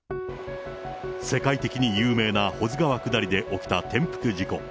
世界的に有名な保津川下りで起きた転覆事故。